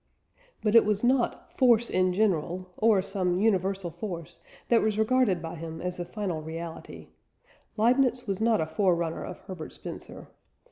But it was not "force in general" or some "universal force" that was regarded by him as the final reality: Leibniz was not a forerunner of Herbert Spencer.